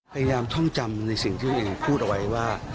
พยายามท่องจำในสิ่งที่ตัวเองพูดเอาไว้ว่า